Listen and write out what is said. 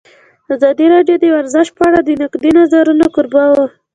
ازادي راډیو د ورزش په اړه د نقدي نظرونو کوربه وه.